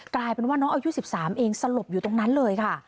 กลายเป็นว่าน้องอายุ๑๓เองสลบอยู่ตรงนั้นเลยค่ะ